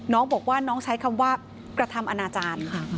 น้องบอกว่าน้องใช้คำว่ากระทำอนาจารย์